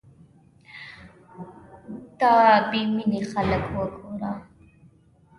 دا بې مينې خلک وګوره